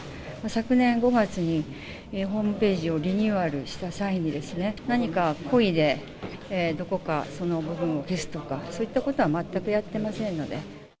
昨年５月にホームページをリニューアルした際に、何か故意で、どこか、その部分を消すとか、そういったことは全くやってませんので。